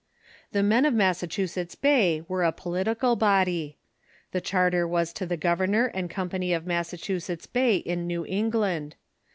The men of Massachusetts Bay were a political bod3\ The charter was to the Governor and Company of Massachusetts Bay in New England.